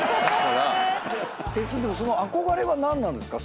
でもその憧れは何なんですか？